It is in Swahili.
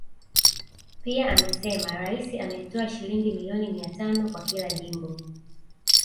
Pia amesema Rais ametoa shilingi milioni mia tano kwa kila jimbo